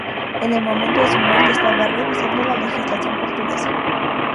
En el momento de su muerte estaba revisando la legislación portuguesa.